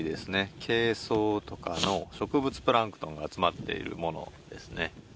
ケイ藻とかの植物プランクトンが集まっている物ですね。